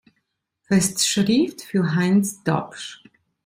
Festschrift für Heinz Dopsch.